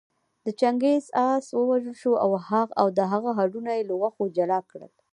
د چنګېز آس ووژل شو او د هغه هډونه يې له غوښو جلا کړل